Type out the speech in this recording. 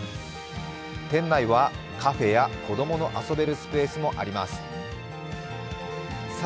店内は、カフェや子供の遊べるスペースもあります。